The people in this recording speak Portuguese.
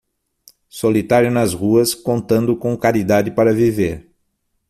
Solitário nas ruas, contando com caridade para viver